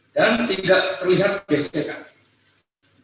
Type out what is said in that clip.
dan tidak terlihat terkesekan